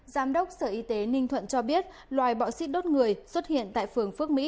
giám đốc sở y tế ninh thuận cho biết loài bọ xít đốt người xuất hiện tại phường phước mỹ